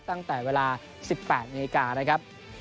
ตั้งแต่เวลา๑๘นาฬิกานะครับ